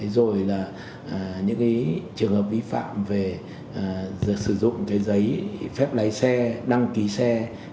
rồi là những trường hợp vi phạm về sử dụng cái giấy phép lái xe đăng ký xe